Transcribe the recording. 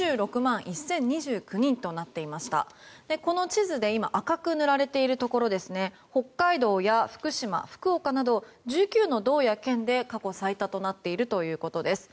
地図で赤く塗られているところ北海道、福島、福岡など１９の道や県で過去最多となっているということです。